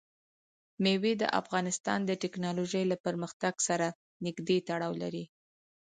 مېوې د افغانستان د تکنالوژۍ له پرمختګ سره نږدې تړاو لري.